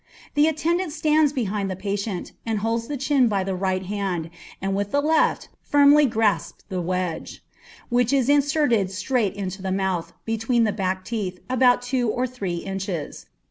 The attendant stands behind the patient, and holds the chin by the right hand, and with the left firmly grasps the wedge, which is inserted straight into the mouth, between the back teeth, about two or three inches.